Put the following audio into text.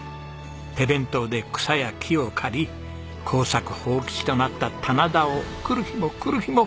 手弁当で草や木を刈り耕作放棄地となった棚田を来る日も来る日も整備しました。